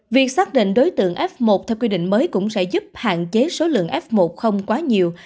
việc xác định đối tượng f một theo quy định mới cũng sẽ giúp hạn chế số lượng f một không quá nhiều